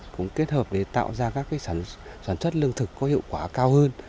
cũng kết hợp để tạo ra các sản xuất lương thực có hiệu quả cao hơn